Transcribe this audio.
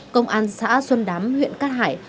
công an xã xuân đám huyện cát hải